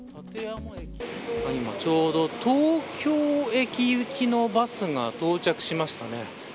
ちょうど東京駅行きのバスが到着しましたね。